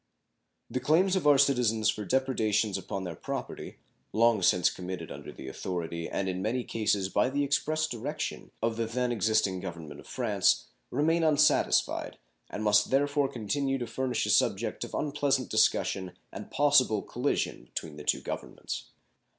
The claims of our citizens for depredations upon their property, long since committed under the authority, and in many instances by the express direction, of the then existing Government of France, remain unsatisfied, and must therefore continue to furnish a subject of unpleasant discussion and possible collision between the two Governments.